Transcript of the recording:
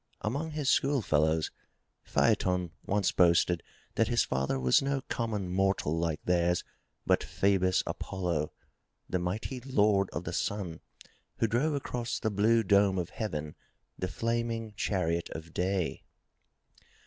Among his school fellows Phaeton once boasted that his father was no common mortal like theirs, but Phoebus Apollo, the mighty Lord of the Sun, who drove across the blue dome of heaven the flaming chariot of day.